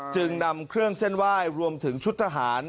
จึงนำเครื่องเส้นไหว้รวมถึงชุดทหาร